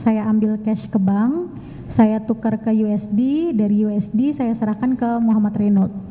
saya ambil cash ke bank saya tukar ke usd dari usd saya serahkan ke muhammad renold